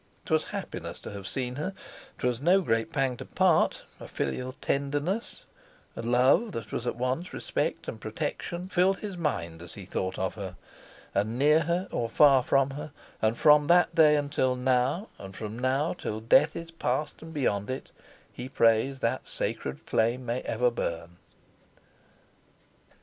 'Twas happiness to have seen her; 'twas no great pang to part; a filial tenderness, a love that was at once respect and protection, filled his mind as he thought of her; and near her or far from her, and from that day until now, and from now till death is past and beyond it, he prays that sacred flame may ever burn.